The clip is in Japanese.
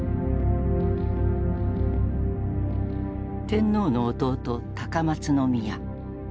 天皇の弟高松宮。